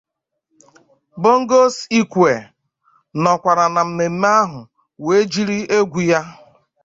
Bongos Ikwue nọkwara na mmemme ahụ wee jiri egwu ya